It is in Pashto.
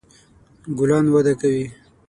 ګلان وده کوي